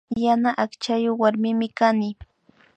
Yana akchayuk warmimi kani